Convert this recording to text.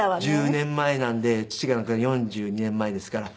１０年前なんで父が亡くなったの４２年前ですから。